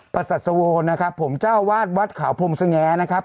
ปสัสโวผมเจ้าวาดวัดขาวพมศแงนะครับ